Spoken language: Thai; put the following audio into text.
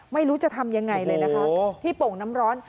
ไม่รู้จะทำยังไงเลยนะคะที่โป่งน้ำร้อน